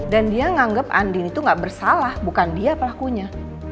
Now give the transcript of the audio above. dan dia nganggep andin itu gak bersalah bukan dia pelakunya